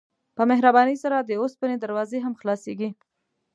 په مهربانۍ سره د اوسپنې دروازې هم خلاصیږي.